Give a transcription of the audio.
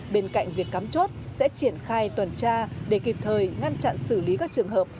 bên cạnh việc cắm chốt sẽ triển khai toàn tra để kịp thời ngăn chặn xử lý các trường hợp